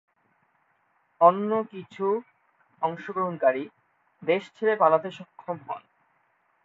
অন্য কিছু অংশগ্রহণকারী দেশ ছেড়ে পালাতে সক্ষম হন।